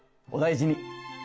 お大事に。